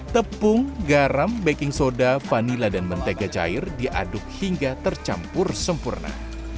tepung garam baking soda vanila dan mentega cair diaduk hingga tercampur sempurna